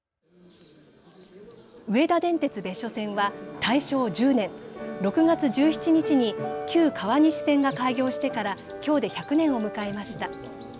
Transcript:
上田電鉄別所線は大正１０年６月１７日に旧川西線が開業してから、きょうで１００年を迎えました。